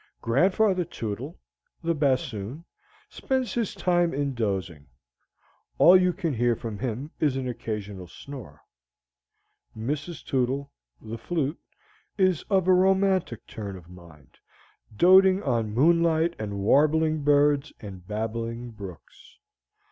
Grandfather Tootle, the bassoon, spends his time in dozing: all you can hear from him is an occasional snore. Mrs. Tootle, the flute, is of a romantic turn of mind, doting on moonlight and warbling birds and babbling brooks.